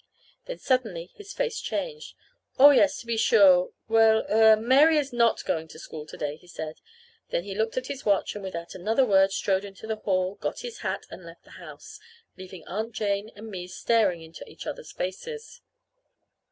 Then suddenly his face changed. "Oh, yes, to be sure. Well, er Mary is not going to school to day," he said. Then he looked at his watch, and without another word strode into the hall, got his hat, and left the house, leaving Aunt Jane and me staring into each other's faces.